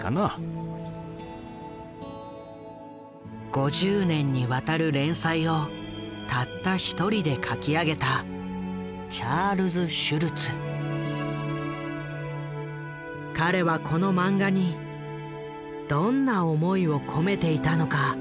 ５０年にわたる連載をたった一人で描き上げた彼はこのマンガにどんな思いを込めていたのか？